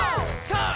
さあ！